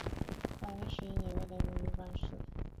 万历十一年登癸未科第三甲第九十八名进士。